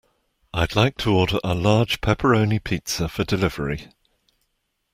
I'd like to order a large pepperoni pizza for delivery.